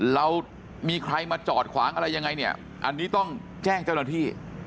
เรามีใครมาจอดขวางอะไรยังไงเนี่ยอันนี้ต้องแจ้งเจ้าหน้าที่